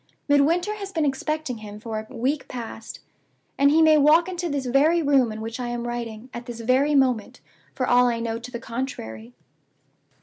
Midwinter has been expecting him for a week past, and he may walk into this very room in which I am writing, at this very moment, for all I know to the contrary.